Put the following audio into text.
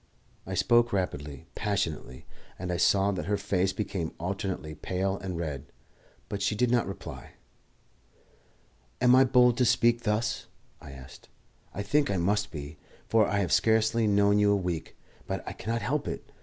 I spoke rapidly, passionately, and I saw that her face became alternately pale and red, but she did not reply. "Am I bold to speak thus?" I asked. "I think I must be, for I have scarcely known you a week. But I cannot help it.